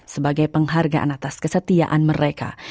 sebagai penghargaan atas kesetiaan mereka